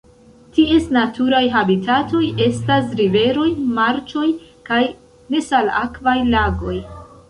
Ties naturaj habitatoj estas riveroj, marĉoj kaj nesalakvaj lagoj.